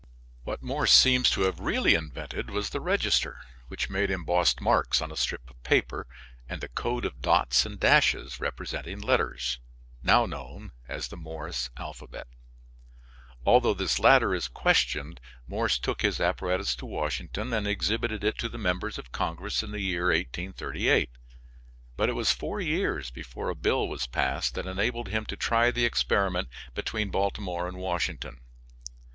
What Morse seems to have really invented was the register, which made embossed marks on a strip of paper, and the code of dots and dashes representing letters, now known as the Morse alphabet, although this latter is questioned. Morse took his apparatus to Washington and exhibited it to the members of Congress in the year 1838, but it was four years before a bill was passed that enabled him to try the experiment between Baltimore and Washington.